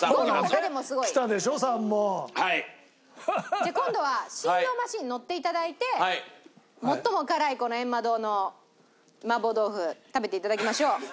じゃあ今度は振動マシンに乗って頂いて最も辛いこの炎麻堂の麻婆豆腐食べて頂きましょう。